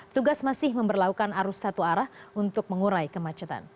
tugas masih memperlakukan arus satu arah untuk mengurai kemacetan